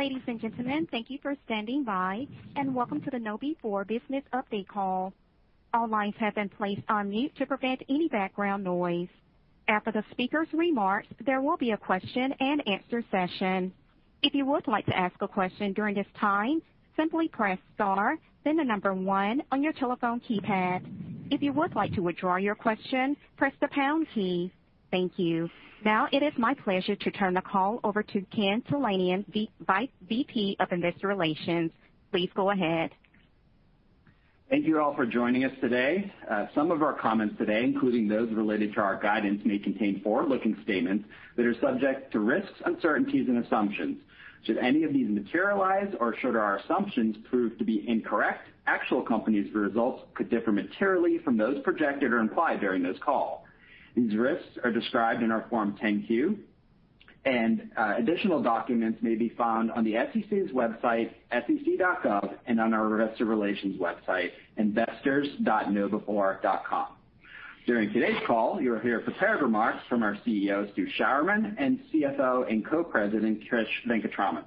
Ladies and gentlemen, thank you for standing by, and welcome to the KnowBe4 business update call. All lines have been placed on mute to prevent any background noise. After the speakers' remarks, there will be a question-and-answer session. If you would like to ask a question during this time, simply press star then the number one on your telephone keypad. If you would like to withdraw your question, press the pound key. Thank you. Now it is my pleasure to turn the call over to Ken Talanian, VP of Investor Relations. Please go ahead. Thank you all for joining us today. Some of our comments today, including those related to our guidance, may contain forward-looking statements that are subject to risks, uncertainties, and assumptions. Should any of these materialize or should our assumptions prove to be incorrect, actual company's results could differ materially from those projected or implied during this call. These risks are described in our Form 10-Q, and additional documents may be found on the SEC's website, sec.gov, and on our investor relations website, investors.knowbe4.com. During today's call, you'll hear prepared remarks from our CEO, Stu Sjouwerman, and CFO and Co-President, Krish Venkataraman.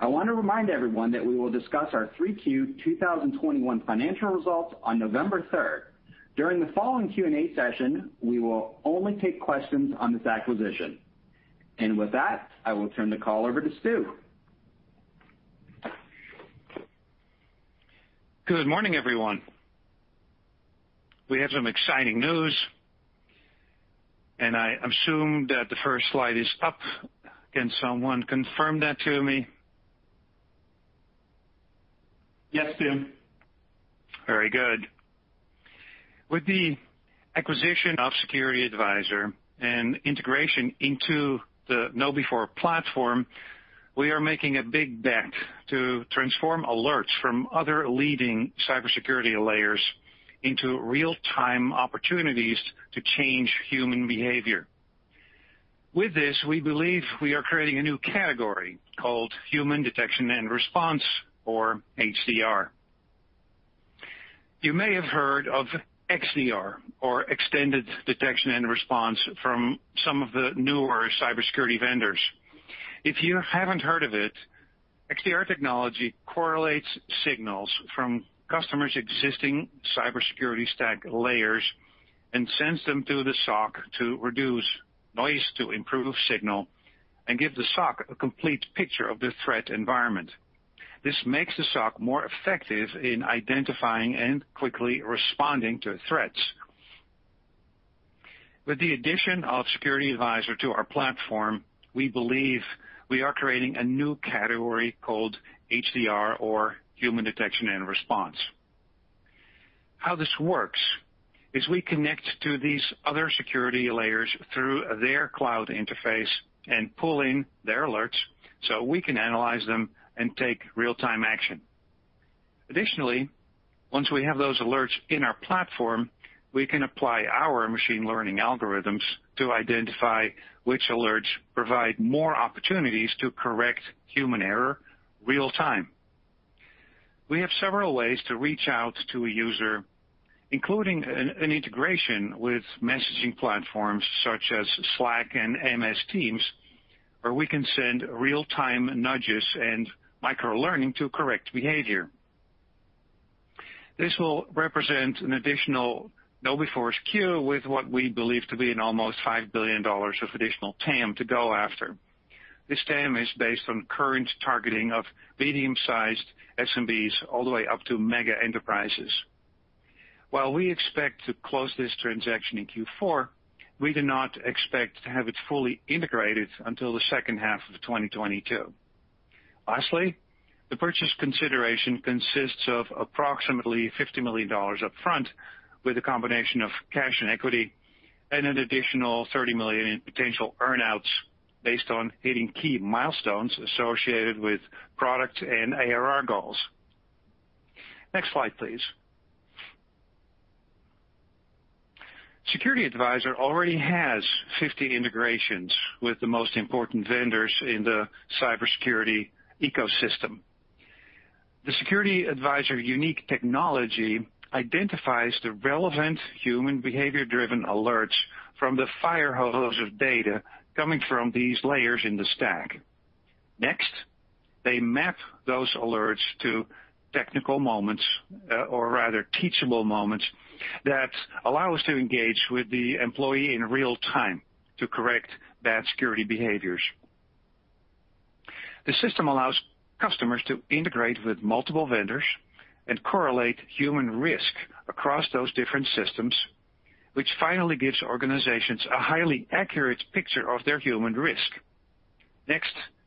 I want to remind everyone that we will discuss our 3Q 2021 financial results on November 3rd. During the following Q&A session, we will only take questions on this acquisition. With that, I will turn the call over to Stu. Good morning, everyone. We have some exciting news, and I assume that the first slide is up. Can someone confirm that to me? Yes, Stu. Very good. With the acquisition of SecurityAdvisor and integration into the KnowBe4 platform, we are making a big bet to transform alerts from other leading cybersecurity layers into real-time opportunities to change human behavior. With this, we believe we are creating a new category called Human Detection and Response, or HDR. You may have heard of XDR, or Extended Detection and Response, from some of the newer cybersecurity vendors. If you haven't heard of it, XDR technology correlates signals from customers' existing cybersecurity stack layers and sends them to the SOC to reduce noise, to improve signal, and give the SOC a complete picture of the threat environment. This makes the SOC more effective in identifying and quickly responding to threats. With the addition of SecurityAdvisor to our platform, we believe we are creating a new category called HDR or Human Detection and Response. How this works is we connect to these other security layers through their cloud interface and pull in their alerts so we can analyze them and take real-time action. Additionally, once we have those alerts in our platform, we can apply our machine learning algorithms to identify which alerts provide more opportunities to correct human error real time. We have several ways to reach out to a user, including an integration with messaging platforms such as Slack and MS Teams, where we can send real-time nudges and micro-learning to correct behavior. This will represent an additional KnowBe4 SKU with what we believe to be an almost $5 billion of additional TAM to go after. This TAM is based on current targeting of medium-sized SMBs all the way up to mega enterprises. While we expect to close this transaction in Q4, we do not expect to have it fully integrated until the second half of 2022. Lastly, the purchase consideration consists of approximately $50 million up front with a combination of cash and equity and an additional $30 million in potential earn-outs based on hitting key milestones associated with product and ARR goals. Next slide, please. SecurityAdvisor already has 50 integrations with the most important vendors in the cybersecurity ecosystem. The SecurityAdvisor unique technology identifies the relevant human behavior-driven alerts from the firehose of data coming from these layers in the stack. Next, they map those alerts to technical moments, or rather teachable moments, that allow us to engage with the employee in real time to correct bad security behaviors. The system allows customers to integrate with multiple vendors and correlate human risk across those different systems, which finally gives organizations a highly accurate picture of their human risk.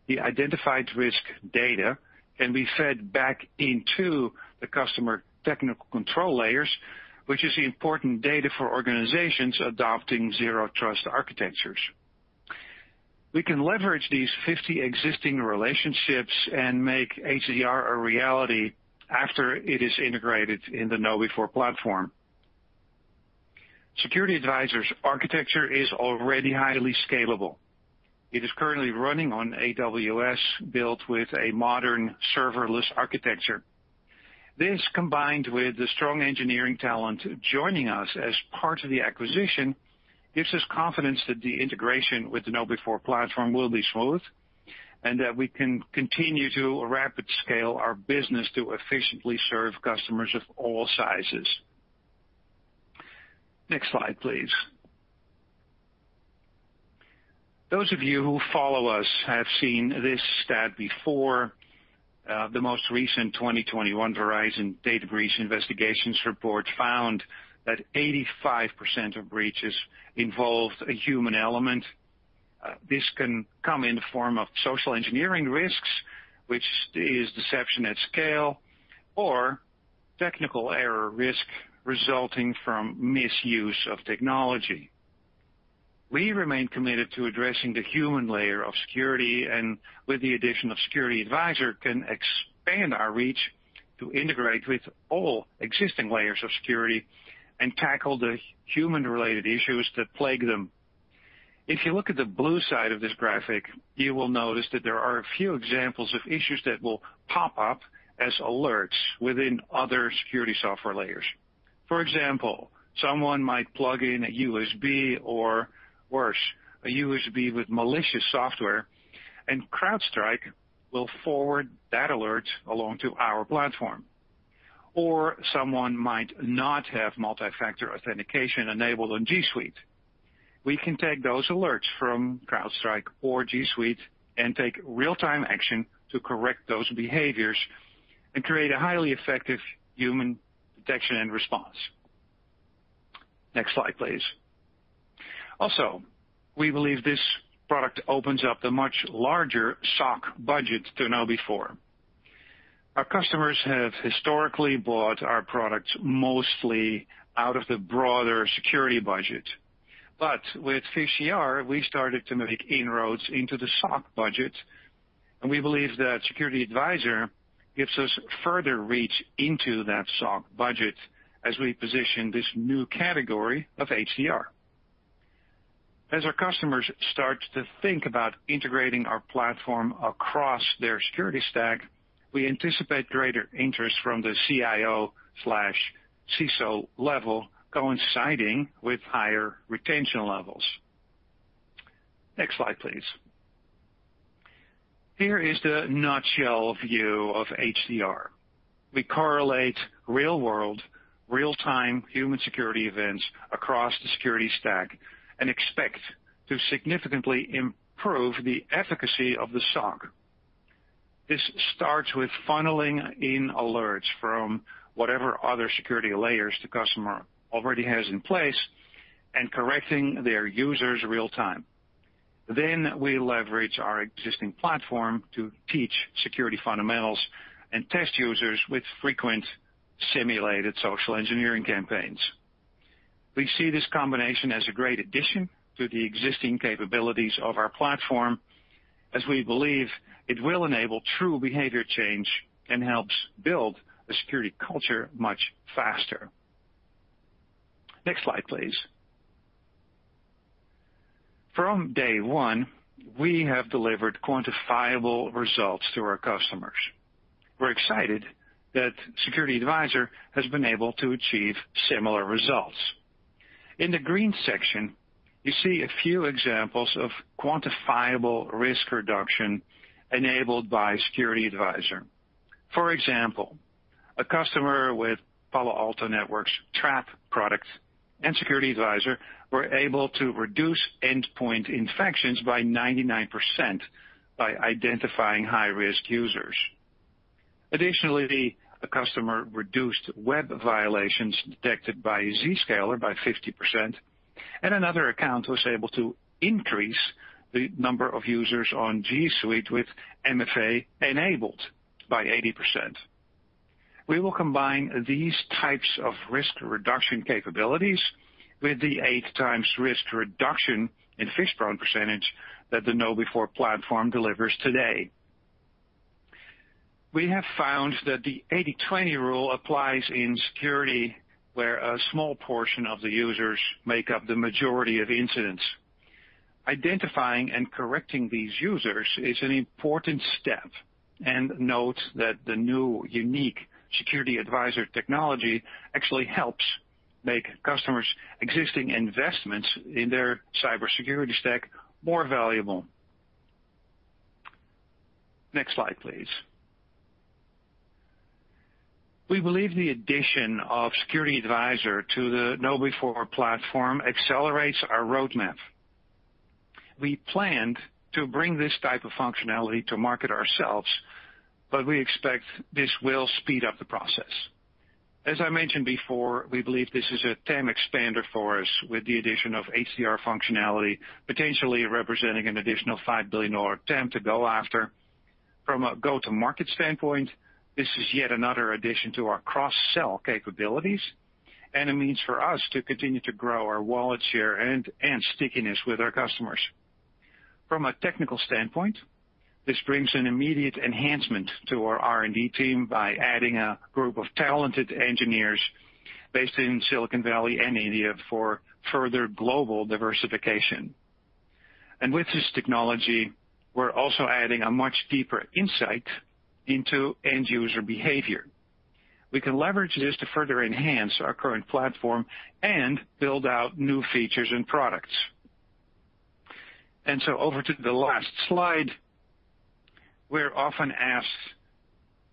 The identified risk data can be fed back into the customer technical control layers, which is important data for organizations adopting zero trust architectures. We can leverage these 50 existing relationships and make HDR a reality after it is integrated in the KnowBe4 platform. SecurityAdvisor's architecture is already highly scalable. It is currently running on AWS, built with a modern serverless architecture. This, combined with the strong engineering talent joining us as part of the acquisition, gives us confidence that the integration with the KnowBe4 platform will be smooth and that we can continue to rapid scale our business to efficiently serve customers of all sizes. Next slide, please. Those of you who follow us have seen this stat before. The most recent 2021 Verizon Data Breach Investigations Report found that 85% of breaches involved a human element. This can come in the form of social engineering risks, which is deception at scale, or technical error risk resulting from misuse of technology. We remain committed to addressing the human layer of security and with the addition of SecurityAdvisor, can expand our reach to integrate with all existing layers of security and tackle the human-related issues that plague them. If you look at the blue side of this graphic, you will notice that there are a few examples of issues that will pop up as alerts within other security software layers. For example, someone might plug in a USB or worse, a USB with malicious software, and CrowdStrike will forward that alert along to our platform. Or someone might not have multi-factor authentication enabled on G Suite. We can take those alerts from CrowdStrike or G Suite and take real-time action to correct those behaviors and create a highly effective Human Detection and Response. Next slide, please. Also, we believe this product opens up the much larger SOC budget to KnowBe4. Our customers have historically bought our product mostly out of the broader security budget. With PhishER, we started to make inroads into the SOC budget, and we believe that SecurityAdvisor gives us further reach into that SOC budget as we position this new category of HDR. As our customers start to think about integrating our platform across their security stack, we anticipate greater interest from the CIO/CISO level coinciding with higher retention levels. Next slide, please. Here is the nutshell view of HDR. We correlate real-world, real-time human security events across the security stack and expect to significantly improve the efficacy of the SOC. This starts with funneling in alerts from whatever other security layers the customer already has in place and correcting their users real time. We leverage our existing platform to teach security fundamentals and test users with frequent simulated social engineering campaigns. We see this combination as a great addition to the existing capabilities of our platform, as we believe it will enable true behavior change and helps build a security culture much faster. Next slide, please. From day one, we have delivered quantifiable results to our customers. We're excited that SecurityAdvisor has been able to achieve similar results. In the green section, you see a few examples of quantifiable risk reduction enabled by SecurityAdvisor. For example, a customer with Palo Alto Networks Traps product and SecurityAdvisor were able to reduce endpoint infections by 99% by identifying high-risk users. Additionally, a customer reduced web violations detected by Zscaler by 50%, and another account was able to increase the number of users on G Suite with MFA enabled by 80%. We will combine these types of risk reduction capabilities with the 8x risk reduction in phish-prone percentage that the KnowBe4 platform delivers today. We have found that the 80/20 rule applies in security, where a small portion of the users make up the majority of incidents. Identifying and correcting these users is an important step, and note that the new unique SecurityAdvisor technology actually helps make customers' existing investments in their cybersecurity stack more valuable. Next slide, please. We believe the addition of SecurityAdvisor to the KnowBe4 platform accelerates our roadmap. We planned to bring this type of functionality to market ourselves, but we expect this will speed up the process. As I mentioned before, we believe this is a TAM expander for us with the addition of HDR functionality, potentially representing an additional $5 billion TAM to go after. From a go-to-market standpoint, this is yet another addition to our cross-sell capabilities and a means for us to continue to grow our wallet share and stickiness with our customers. From a technical standpoint, this brings an immediate enhancement to our R&D team by adding a group of talented engineers based in Silicon Valley and India for further global diversification. With this technology, we're also adding a much deeper insight into end-user behavior. We can leverage this to further enhance our current platform and build out new features and products. Over to the last slide. We're often asked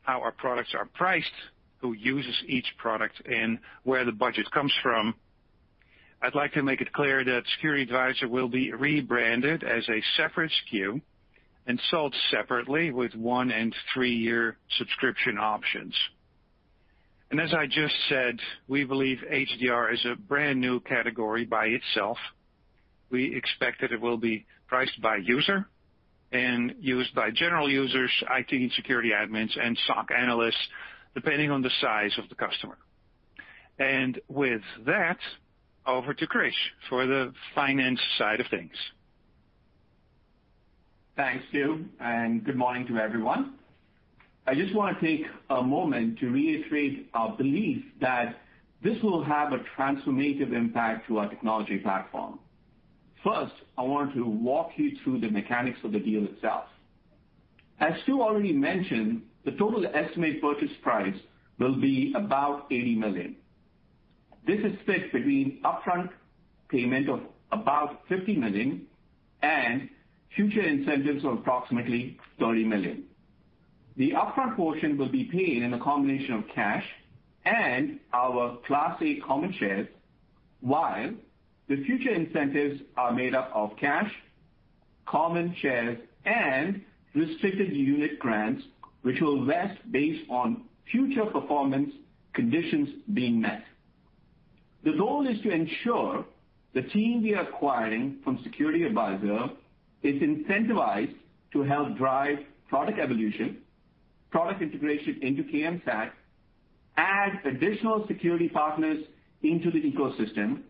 how our products are priced, who uses each product, and where the budget comes from. I'd like to make it clear that SecurityAdvisor will be rebranded as a separate SKU and sold separately with one- and three-year subscription options. As I just said, we believe HDR is a brand-new category by itself. We expect that it will be priced by user and used by general users, IT security admins, and SOC analysts, depending on the size of the customer. With that, over to Krish for the finance side of things. Thanks, Stu, and good morning to everyone. I just want to take a moment to reiterate our belief that this will have a transformative impact to our technology platform. First, I want to walk you through the mechanics of the deal itself. As Stu already mentioned, the total estimated purchase price will be about $80 million. This is split between upfront payment of about $50 million and future incentives of approximately $30 million. The upfront portion will be paid in a combination of cash and our Class A common shares, while the future incentives are made up of cash, common shares, and restricted unit grants, which will vest based on future performance conditions being met. The goal is to ensure the team we are acquiring from SecurityAdvisor is incentivized to help drive product evolution, product integration into KMSAT, add additional security partners into the ecosystem,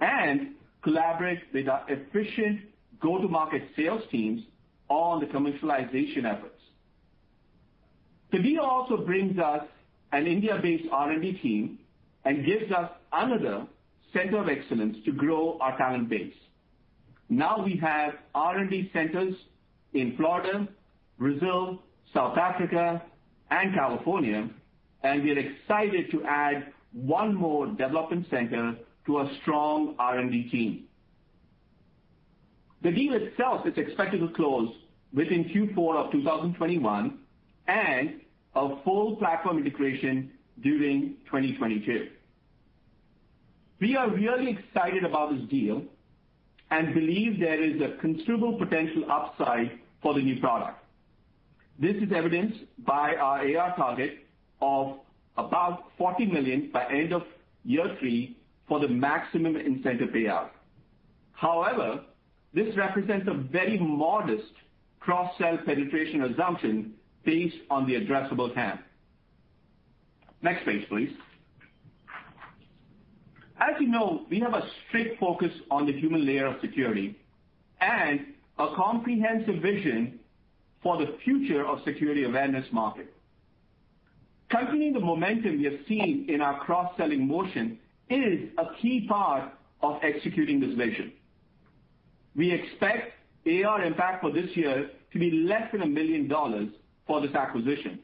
and collaborate with our efficient go-to-market sales teams on the commercialization efforts. The deal also brings us an India-based R&D team and gives us another center of excellence to grow our talent base. Now we have R&D centers in Florida, Brazil, South Africa, and California, and we're excited to add one more development center to our strong R&D team. The deal itself is expected to close within Q4 of 2021, and a full platform integration during 2022. We are really excited about this deal and believe there is a considerable potential upside for the new product. This is evidenced by our ARR target of about $40 million by end of year three for the maximum incentive payout. However, this represents a very modest cross-sell penetration assumption based on the addressable TAM. Next page, please. As you know, we have a strict focus on the human layer of security and a comprehensive vision for the future of security awareness market. Continuing the momentum we have seen in our cross-selling motion is a key part of executing this vision. We expect AR impact for this year to be less than $1 million for this acquisition.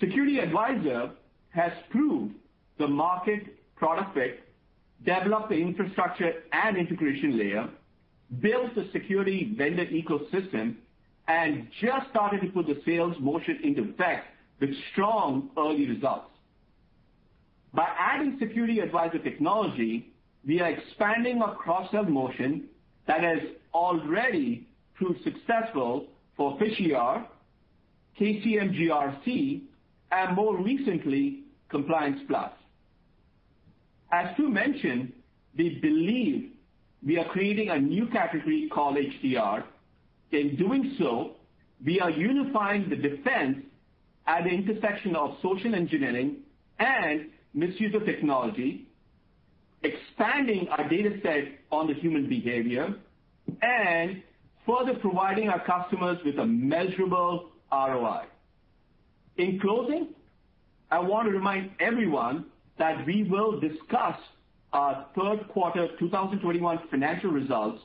SecurityAdvisor has proved the market product fit, developed the infrastructure and integration layer, built the security vendor ecosystem, and just started to put the sales motion into effect with strong early results. By adding SecurityAdvisor technology, we are expanding our cross-sell motion that has already proved successful for PhishER, KCM GRC, and more recently, Compliance Plus. As Stu mentioned, we believe we are creating a new category called HDR. In doing so, we are unifying the defense at the intersection of social engineering and misuse of technology, expanding our dataset on the human behavior, and further providing our customers with a measurable ROI. In closing, I want to remind everyone that we will discuss our third quarter 2021 financial results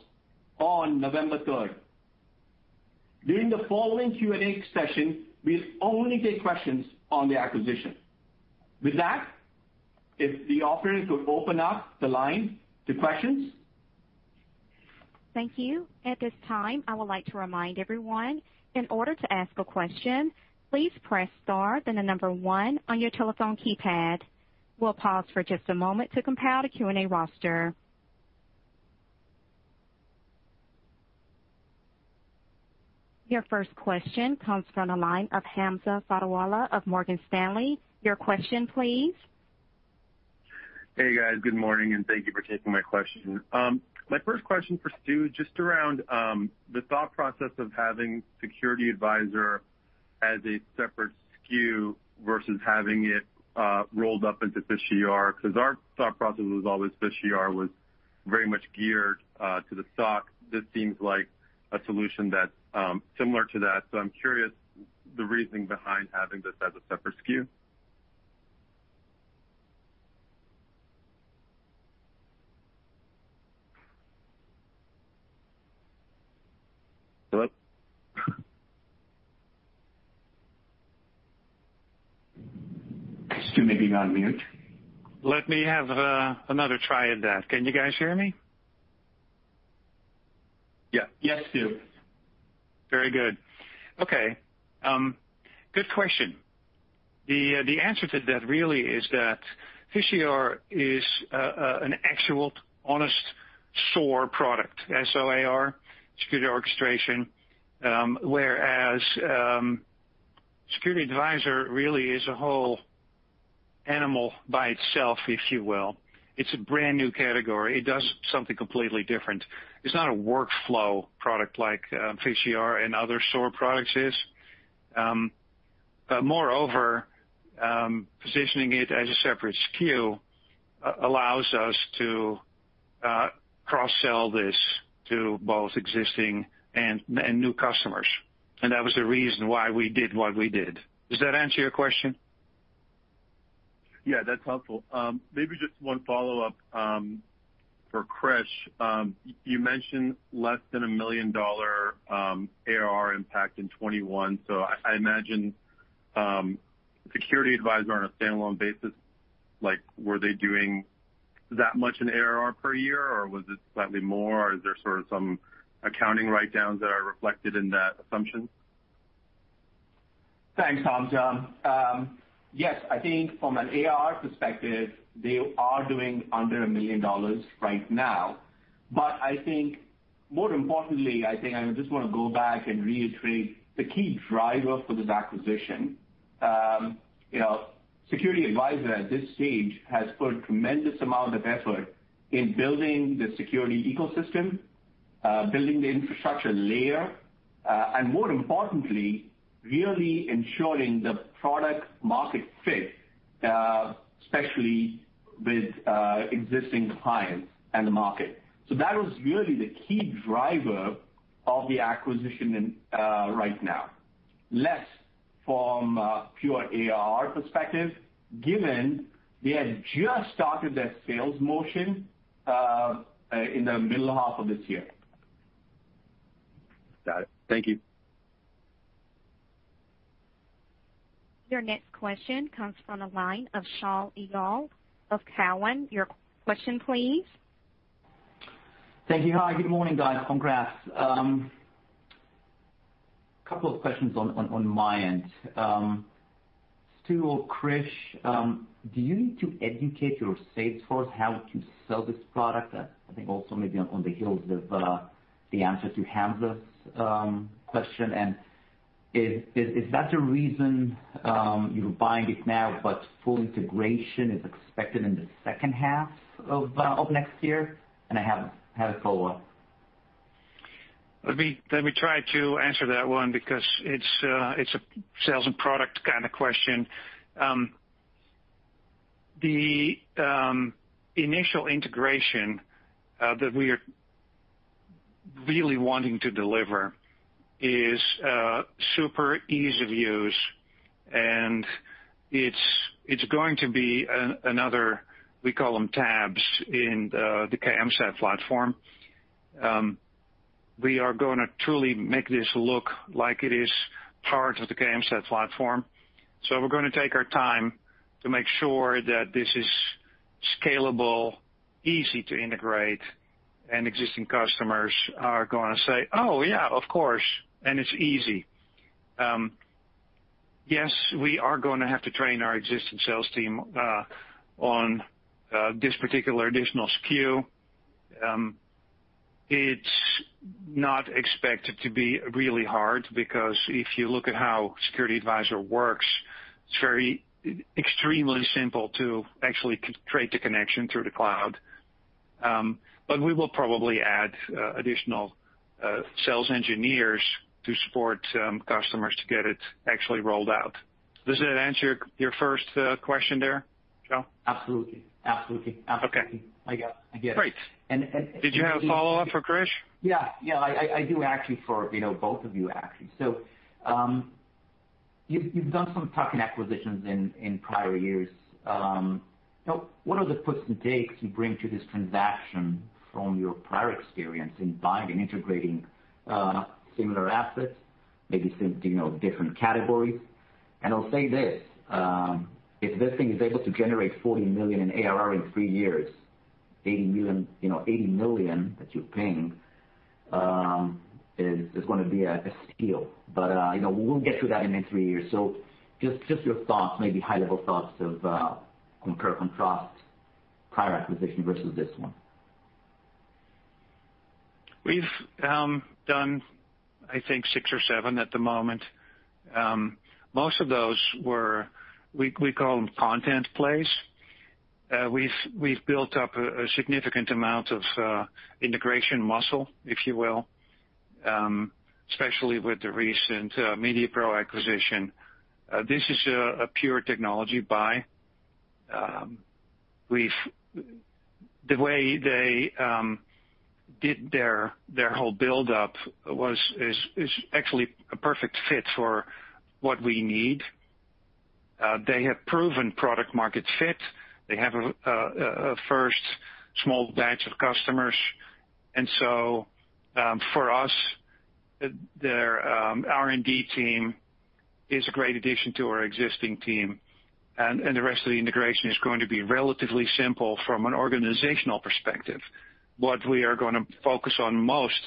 on November 3rd. During the following Q&A session, we'll only take questions on the acquisition. With that, if the operator could open up the line to questions. Thank you. At this time, I would like to remind everyone, in order to ask a question, please press star then the number one on your telephone keypad. We'll pause for just a moment to compile the Q&A roster. Your first question comes from the line of Hamza Fodderwala of Morgan Stanley. Your question, please. Hey, guys. Good morning, and thank you for taking my question. My first question for Stu, just around the thought process of having SecurityAdvisor as a separate SKU versus having it rolled up into PhishER, because our thought process was always PhishER was very much geared to the SOC. This seems like a solution that's similar to that. I'm curious the reasoning behind having this as a separate SKU. Hello? Stu may be on mute. Let me have another try at that. Can you guys hear me? Yeah. Yes, Stu. Very good. Okay. Good question. The answer to that really is that PhishER is an actual, honest SOAR product, S-O-A-R, security orchestration. Whereas SecurityAdvisor really is a whole animal by itself, if you will. It's a brand-new category. It does something completely different. It's not a workflow product like PhishER and other SOAR products is. Moreover, positioning it as a separate SKU allows us to cross-sell this to both existing and new customers, and that was the reason why we did what we did. Does that answer your question? Yeah, that's helpful. Maybe just one follow-up for Krish Venkataraman. You mentioned less than a $1 million ARR impact in 2021, so I imagine SecurityAdvisor on a standalone basis, were they doing that much in ARR per year, or was it slightly more, or is there sort of some accounting write-downs that are reflected in that assumption? Thanks, Hamza. Yes, I think from an ARR perspective, they are doing under $1 million right now. I think more importantly, I think I just want to go back and reiterate the key driver for this acquisition. SecurityAdvisor at this stage has put tremendous amount of effort in building the security ecosystem, building the infrastructure layer, and more importantly, really ensuring the product market fit, especially with existing clients and the market. That was really the key driver of the acquisition right now. Less from a pure ARR perspective, given they had just started their sales motion in the middle half of this year. Got it. Thank you. Your next question comes from the line of Shaul Eyal of Cowen. Your question please. Thank you. Hi, good morning, guys. Congrats. Couple of questions on my end. Stu or Krish, do you need to educate your sales force how to sell this product? I think also maybe on the heels of the answer to Hamza's question, and is that the reason you're buying it now, but full integration is expected in the second half of next year? I have a follow-up. Let me try to answer that one because it's a sales and product kind of question. The initial integration that we are really wanting to deliver is super easy to use, and it's going to be another, we call them tabs, in the KMSAT platform. We are going to truly make this look like it is part of the KMSAT platform. We're going to take our time to make sure that this is scalable, easy to integrate, and existing customers are going to say, "Oh, yeah, of course," and it's easy. Yes, we are going to have to train our existing sales team on this particular additional SKU. It's not expected to be really hard because if you look at how SecurityAdvisor works, it's extremely simple to actually create the connection through the cloud. We will probably add additional sales engineers to support customers to get it actually rolled out. Does that answer your first question there, Shaul? Absolutely. Okay. I get it. Great. And- Did you have a follow-up for Krish? Yeah. I do, actually, for both of you, actually. You've done some tuck-in acquisitions in prior years. What are the puts and takes you bring to this transaction from your prior experience in buying and integrating similar assets, maybe different categories? I'll say this, if this thing is able to generate 40 million in ARR in three years, 80 million that you're paying, is going to be a steal. We'll get to that in three years. Just your thoughts, maybe high-level thoughts of compare and contrast prior acquisition versus this one. We've done, I think, six or seven at the moment. Most of those were, we call them content plays. We've built up a significant amount of integration muscle, if you will, especially with the recent MediaPro acquisition. This is a pure technology buy. The way they did their whole buildup is actually a perfect fit for what we need. They have proven product market fit. They have a first small batch of customers. For us, their R&D team is a great addition to our existing team, and the rest of the integration is going to be relatively simple from an organizational perspective. What we are going to focus on most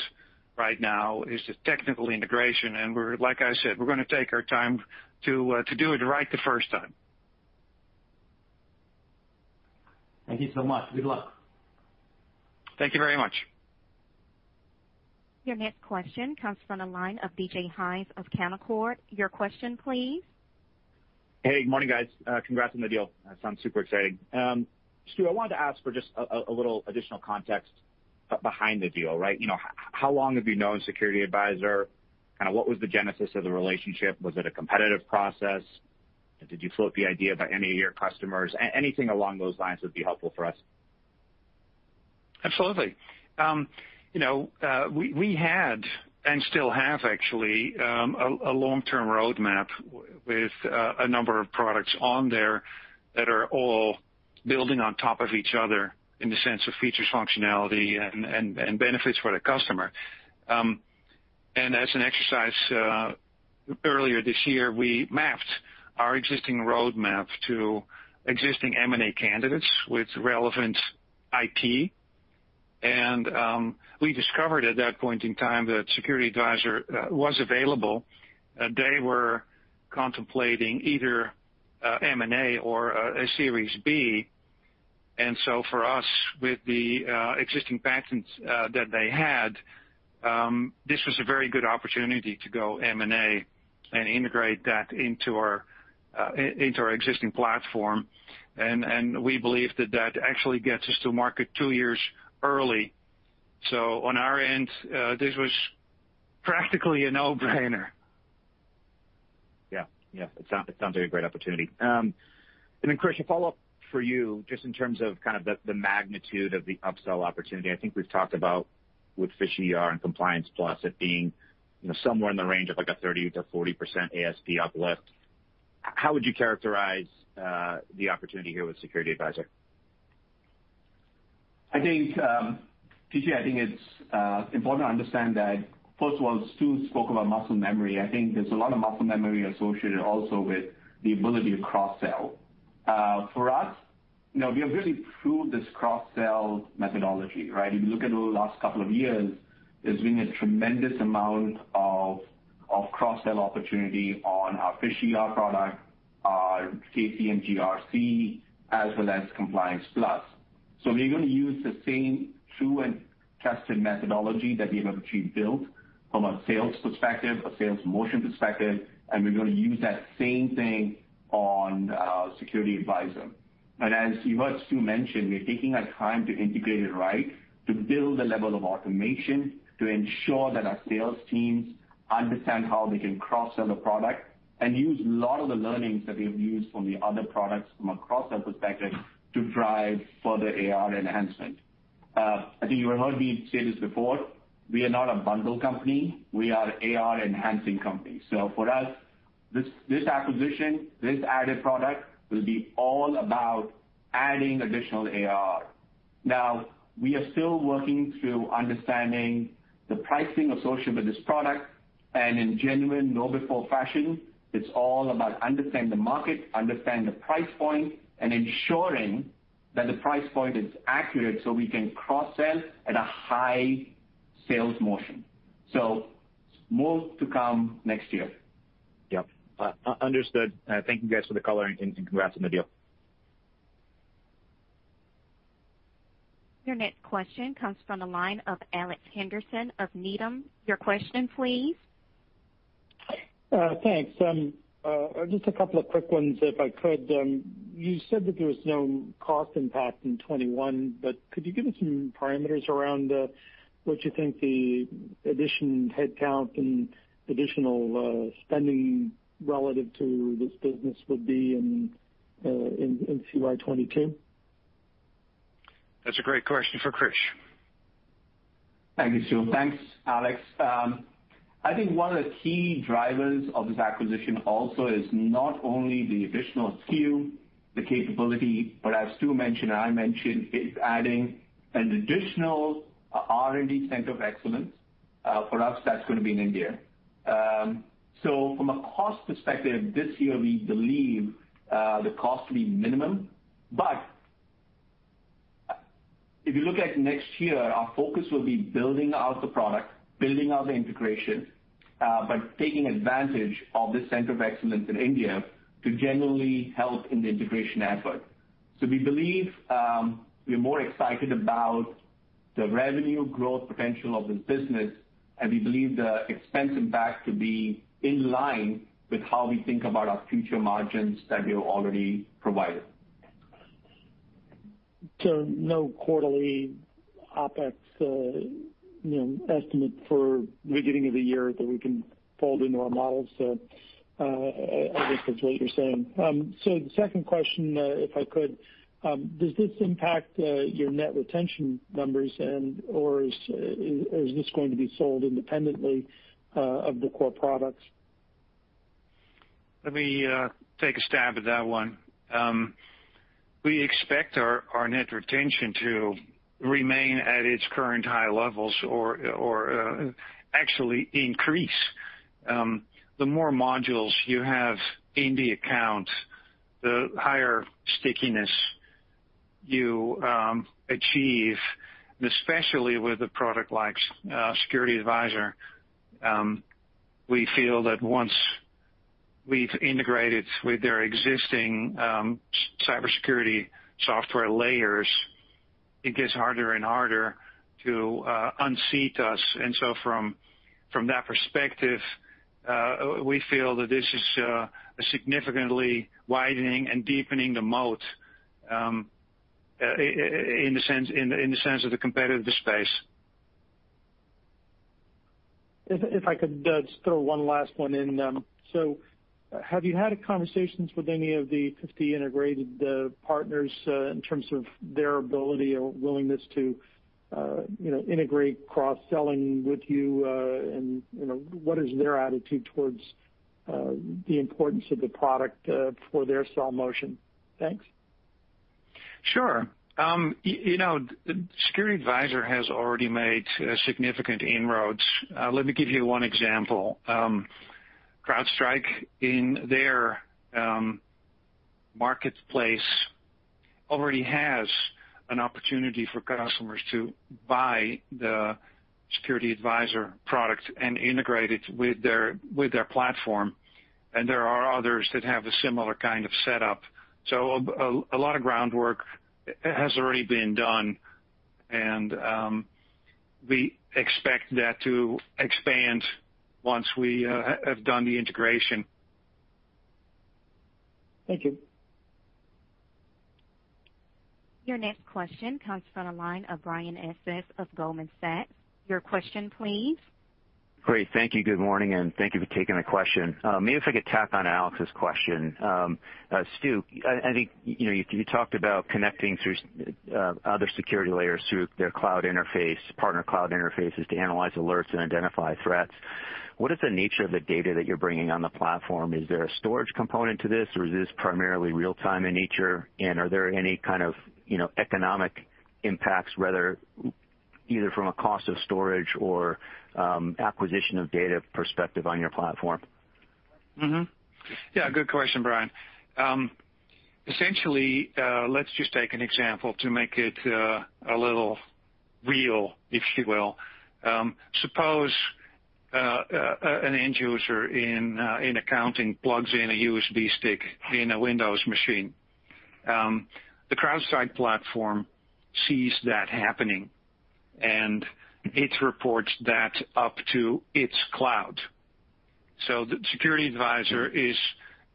right now is the technical integration, and like I said, we're going to take our time to do it right the first time. Thank you so much. Good luck. Thank you very much. Your next question comes from the line of DJ Hynes of Canaccord. Your question, please. Hey, good morning, guys. Congrats on the deal. That sounds super exciting. Stu, I wanted to ask for just a little additional context behind the deal. How long have you known SecurityAdvisor? What was the genesis of the relationship? Was it a competitive process? Did you float the idea by any of your customers? Anything along those lines would be helpful for us. Absolutely. We had, and still have, actually, a long-term roadmap with a number of products on there that are all building on top of each other in the sense of features, functionality, and benefits for the customer. As an exercise, earlier this year, we mapped our existing roadmap to existing M&A candidates with relevant IT. We discovered at that point in time that SecurityAdvisor was available. They were contemplating either M&A or a Series B. For us, with the existing patents that they had, this was a very good opportunity to go M&A and integrate that into our existing platform. We believe that that actually gets us to market two years early. On our end, this was practically a no-brainer. Yeah. It sounds like a great opportunity. Krish, a follow-up for you, just in terms of the magnitude of the upsell opportunity. I think we've talked about with PhishER and Compliance+ it being somewhere in the range of a 30%-40% ASP uplift. How would you characterize the opportunity here with SecurityAdvisor? I think, DJ, it's important to understand that, first of all, Stu spoke about muscle memory. I think there's a lot of muscle memory associated also with the ability to cross-sell. For us, we have really proved this cross-sell methodology, right? If you look at the last couple of years, there's been a tremendous amount of cross-sell opportunity on our PhishER product, our KCM GRC, as well as Compliance+. So we're going to use the same true and tested methodology that we have actually built from a sales perspective, a sales motion perspective, and we're going to use that same thing on SecurityAdvisor. As you heard Stu mention, we're taking our time to integrate it right, to build a level of automation, to ensure that our sales teams understand how they can cross-sell the product, and use a lot of the learnings that we have used from the other products from a cross-sell perspective to drive further AR enhancement. I think you have heard me say this before, we are not a bundle company, we are an AR-enhancing company. for us, this acquisition, this added product, will be all about adding additional AR. Now, we are still working through understanding the pricing associated with this product, and in genuine KnowBe4 fashion, it's all about understanding the market, understanding the price point, and ensuring that the price point is accurate so we can cross-sell at a high sales motion. more to come next year. Yep. Understood. Thank you guys for the coloring, and congrats on the deal. Your next question comes from the line of Alex Henderson of Needham. Your question, please. Thanks. Just a couple of quick ones, if I could. You said that there was no cost impact in 2021, but could you give us some parameters around what you think the addition in headcount and additional spending relative to this business would be in CY 2022? That's a great question for Krish. Thank you, Stu. Thanks, Alex. I think one of the key drivers of this acquisition also is not only the additional skill, the capability, but as Stu mentioned, and I mentioned, it's adding an additional R&D center of excellence. For us, that's going to be in India. from a cost perspective, this year, we believe the cost will be minimum. if you look at next year, our focus will be building out the product, building out the integration, but taking advantage of this center of excellence in India to generally help in the integration effort. we believe we're more excited about the revenue growth potential of this business, and we believe the expense impact to be in line with how we think about our future margins that we already provided. No quarterly OpEx estimate for beginning of the year that we can fold into our models, I guess is what you're saying. The second question, if I could, does this impact your net retention numbers, or is this going to be sold independently of the core products? Let me take a stab at that one. We expect our net retention to remain at its current high levels or actually increase. The more modules you have in the account, the higher stickiness you achieve, and especially with a product like SecurityAdvisor. We feel that once we've integrated with their existing cybersecurity software layers, it gets harder and harder to unseat us. From that perspective, we feel that this is significantly widening and deepening the moat in the sense of the competitive space. If I could just throw one last one in. Have you had conversations with any of the 50 integrated partners in terms of their ability or willingness to integrate cross-selling with you? What is their attitude towards the importance of the product for their sell motion? Thanks. Sure. SecurityAdvisor has already made significant inroads. Let me give you one example. CrowdStrike, in their marketplace, already has an opportunity for customers to buy the SecurityAdvisor product and integrate it with their platform, and there are others that have a similar kind of setup. A lot of groundwork has already been done, and we expect that to expand once we have done the integration. Thank you. Your next question comes from the line of Brian Essex of Goldman Sachs. Your question, please. Great. Thank you. Good morning, and thank you for taking the question. Maybe if I could tack on Alex's question. Stu, I think you talked about connecting through other security layers through their cloud interface, partner cloud interfaces, to analyze alerts and identify threats. What is the nature of the data that you're bringing on the platform? Is there a storage component to this, or is this primarily real-time in nature? Are there any kind of economic impacts, either from a cost of storage or acquisition of data perspective on your platform? Yeah, good question, Brian. Essentially, let's just take an example to make it a little real, if you will. Suppose an end user in accounting plugs in a USB stick in a Windows machine. The CrowdStrike platform sees that happening, and it reports that up to its cloud. The SecurityAdvisor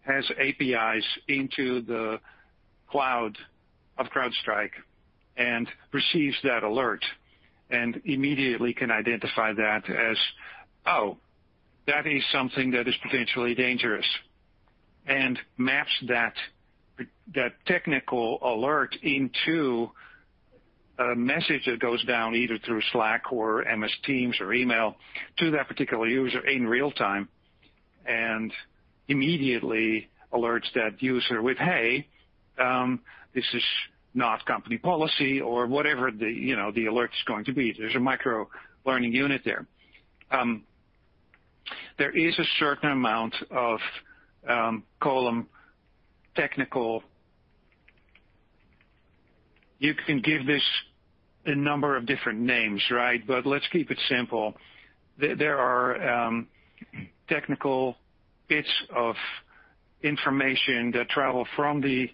has APIs into the cloud of CrowdStrike and receives that alert and immediately can identify that as, "Oh, that is something that is potentially dangerous," and maps that technical alert into a message that goes down either through Slack or Microsoft Teams or email to that particular user in real time, and immediately alerts that user with, "Hey, this is not company policy," or whatever the alert is going to be. There's a micro-learning unit there. There is a certain amount of, call them technical. You can give this a number of different names, right? Let's keep it simple. There are technical bits of information that travel from the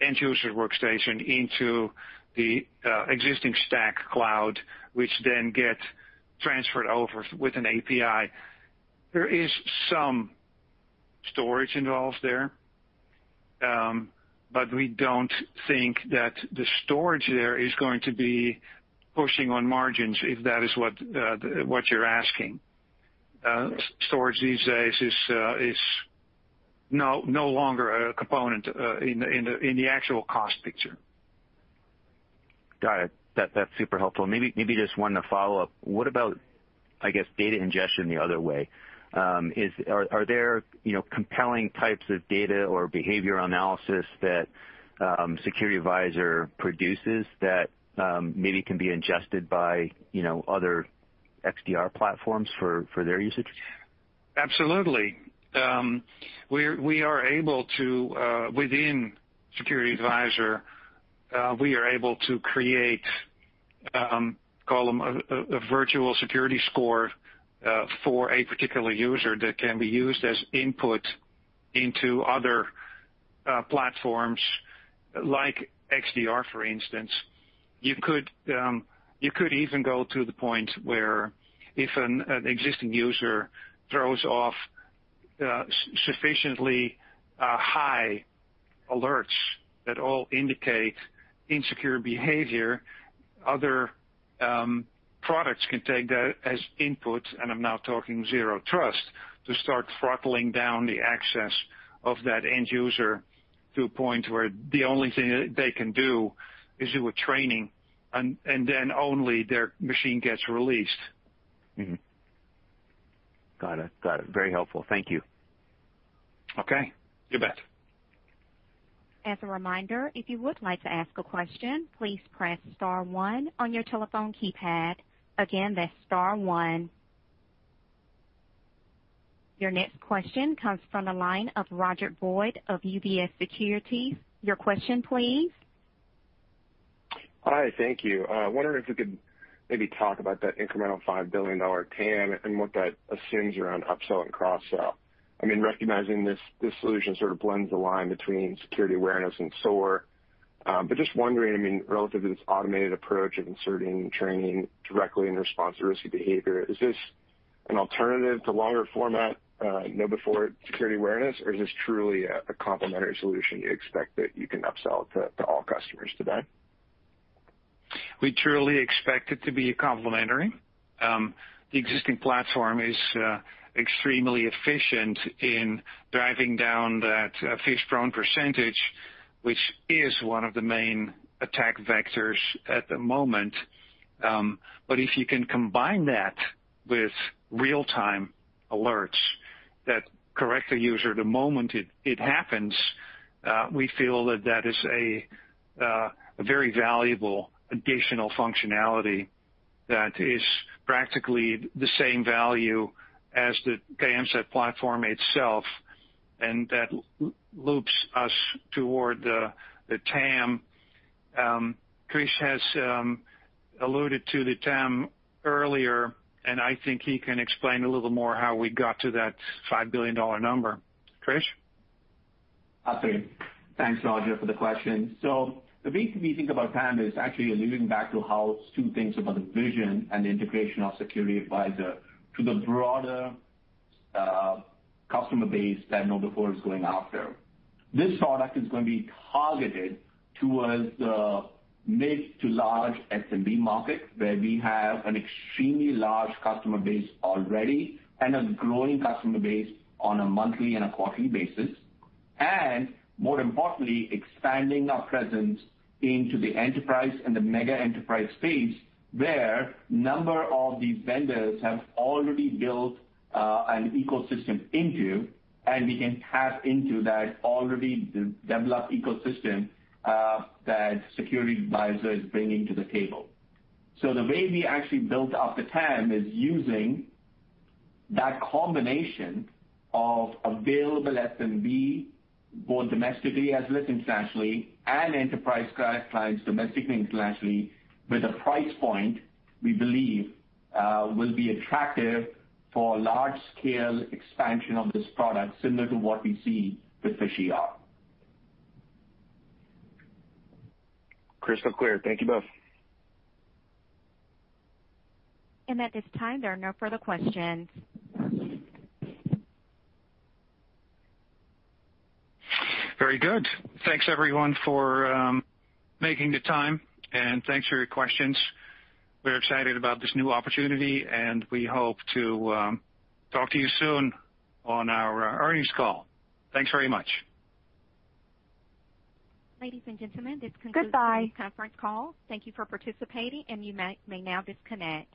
end user workstation into the existing stack cloud, which then get transferred over with an API. There is some storage involved there, but we don't think that the storage there is going to be pushing on margins, if that is what you're asking. Storage these days is no longer a component in the actual cost picture. Got it. That's super helpful. Maybe just one follow-up. What about, I guess, data ingestion the other way? Are there compelling types of data or behavior analysis that SecurityAdvisor produces that maybe can be ingested by other XDR platforms for their usage? Absolutely. Within SecurityAdvisor, we are able to create, call them, a virtual security score for a particular user that can be used as input into other platforms like XDR, for instance. You could even go to the point where if an existing user throws off sufficiently high alerts that all indicate insecure behavior, other products can take that as input, and I'm now talking zero trust, to start throttling down the access of that end user to a point where the only thing they can do is do a training, and then only their machine gets released. Mm-hmm. Got it. Very helpful. Thank you. Okay. You bet. As a reminder, if you would like to ask a question, please press star one on your telephone keypad. Again, that's star one. Your next question comes from the line of Roger Boyd of UBS Securities. Your question, please. Hi. Thank you. Wondering if you could maybe talk about that incremental $5 billion TAM and what that assumes around upsell and cross-sell. Recognizing this solution sort of blends the line between security awareness and SOAR, but just wondering, relative to this automated approach of inserting training directly in response to risky behavior, is this an alternative to longer format KnowBe4 security awareness, or is this truly a complementary solution you expect that you can upsell to all customers today? We truly expect it to be complementary. The existing platform is extremely efficient in driving down that phish-prone percentage, which is one of the main attack vectors at the moment. If you can combine that with real-time alerts that correct a user the moment it happens, we feel that that is a very valuable additional functionality that is practically the same value as the KMSAT platform itself, and that loops us toward the TAM. Krish has alluded to the TAM earlier, and I think he can explain a little more how we got to that $5 billion number. Krish? Okay. Thanks, Roger, for the question. The way we think about TAM is actually alluding back to how two things about the vision and the integration of SecurityAdvisor to the broader customer base that KnowBe4 is going after. This product is going to be targeted towards the mid to large SMB market, where we have an extremely large customer base already and a growing customer base on a monthly and a quarterly basis. More importantly, expanding our presence into the enterprise and the mega enterprise space, where a number of these vendors have already built an ecosystem into, and we can tap into that already developed ecosystem that SecurityAdvisor is bringing to the table. The way we actually built out the TAM is using that combination of available SMB, both domestically as well as internationally, and enterprise clients domestically and internationally, with a price point we believe will be attractive for large-scale expansion of this product, similar to what we see with PhishER. Crystal clear. Thank you both. At this time, there are no further questions. Very good. Thanks everyone for making the time and thanks for your questions. We're excited about this new opportunity, and we hope to talk to you soon on our earnings call. Thanks very much. Ladies and gentlemen, this concludes. Goodbye today's conference call. Thank you for participating, and you may now disconnect.